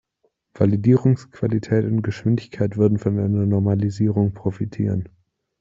Validierungsqualität und -geschwindigkeit würden von einer Normalisierung profitieren.